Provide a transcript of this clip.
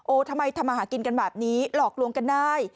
ทำไมทำมาหากินกันแบบนี้หลอกลวงกันได้